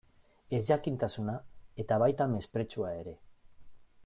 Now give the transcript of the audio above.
Ezjakintasuna, eta baita mespretxua ere.